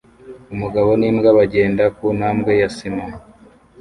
Umugabo n'imbwa bagenda kuntambwe ya sima